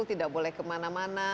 tidak boleh kemana mana